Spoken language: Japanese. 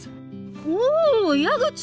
おお矢口！